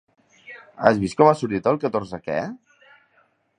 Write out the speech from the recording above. Has vist com ha sortit el catorze que?